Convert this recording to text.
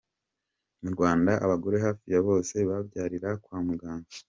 Mu Rwanda abagore hafi ya bose babyarira kwa muganga.